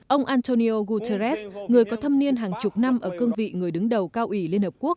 ông antonio guterres người có thâm niên hàng chục năm ở cương vị người đứng đầu cao ủy liên hợp quốc